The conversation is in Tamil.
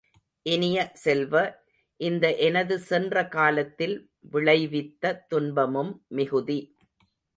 இனிய செல்வ, இந்த எனது சென்ற காலத்தில் விளைவித்த துன்பமும் மிகுதி.